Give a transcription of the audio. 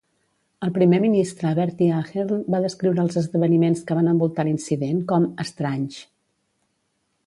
El primer ministre Bertie Ahern va descriure els esdeveniments que van envoltar l'incident com "estranys".